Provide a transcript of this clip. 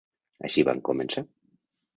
Així van començar.